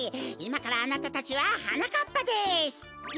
いまからあなたたちははなかっぱです！